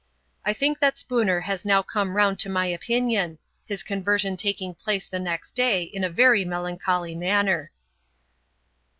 I think that Spooner has now come round to my opinion, his conversion taking place the next day in a very melancholy manner.